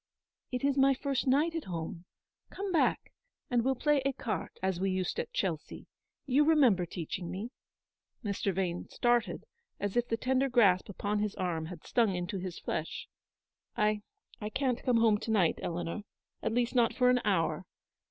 " It is my first night at home. Come back, and we'll play ecarte as we used at Chelsea. You remember teaching me." Mr. Vane started, as if the tender grasp upon his arm had stung into his flesh. " I — I can't come home to night, Eleanor. At least, not for an hour.